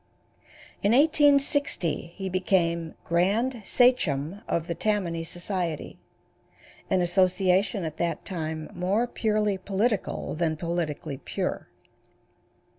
In 1860 he became Grand Sachem of the Tammany Society, an association at that time more purely political than politically pure.